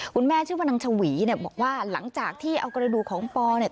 คุณแม่ชื่อว่านางชวีเนี่ยบอกว่าหลังจากที่เอากระดูกของปอเนี่ย